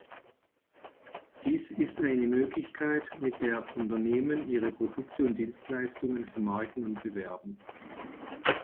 Dies ist eine Möglichkeit, mit der Unternehmen ihre Produkte und Dienstleistungen vermarkten und bewerben.